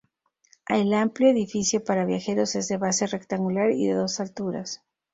El amplio edificio para viajeros es de base rectangular y de dos alturas.